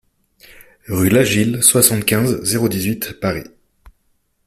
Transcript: RUE LAGILLE, soixante-quinze, zéro dix-huit Paris